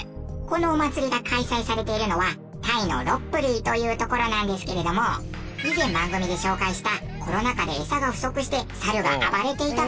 このお祭りが開催されているのはタイのロッブリーという所なんですけれども以前番組で紹介したコロナ禍でエサが不足してサルが暴れていた場所なんです。